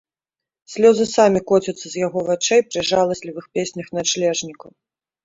Слёзы самі коцяцца з яго вачэй пры жаласлівых песнях начлежнікаў.